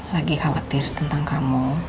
lagi khawatir tentang kamu